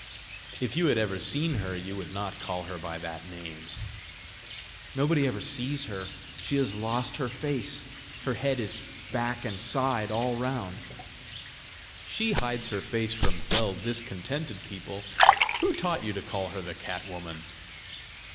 "If you had ever seen her, you would not call her by that name!" "Nobody ever sees her: she has lost her face! Her head is back and side all round." "She hides her face from dull, discontented people! Who taught you to call her the cat woman?"